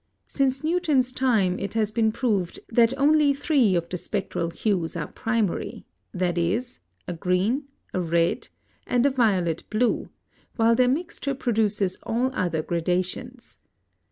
Since Newton's time it has been proved that only three of the spectral hues are primary; viz., a red, a green, and a violet blue, while their mixture produces all other gradations.